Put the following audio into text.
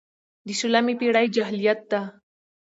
د شلمې پېړۍ جاهلیت ده.